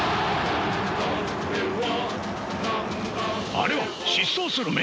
あれは疾走する眼！